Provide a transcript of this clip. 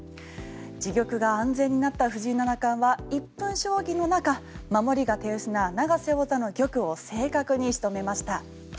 自玉が安全になった藤井七冠は１分将棋の中、守りが手薄な永瀬王座の玉を正確に仕留めました。